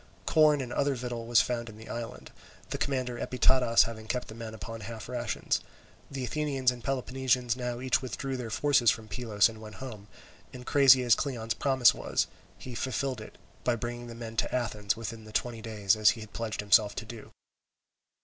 Corn and other victual was found in the island; the commander Epitadas having kept the men upon half rations. The Athenians and Peloponnesians now each withdrew their forces from Pylos, and went home, and crazy as Cleon's promise was, he fulfilled it, by bringing the men to Athens within the twenty days as he had pledged himself to do.